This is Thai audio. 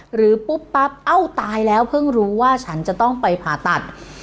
หรือปุ๊บปั๊บเอ้าตายแล้วเพิ่งรู้ว่าฉันจะต้องไปผ่าตัด